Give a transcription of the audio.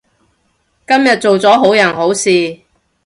今日做咗好人好事